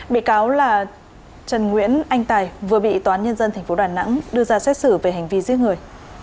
bị cáo là trần nguyễn anh tài vừa bị toán nhân dân tp đà nẵng đưa ra xét xử về hành vi giết người